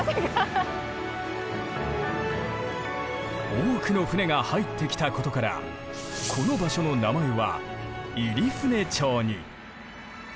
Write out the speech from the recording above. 多くの船が入ってきたことからこの場所の名前は「入船町」に。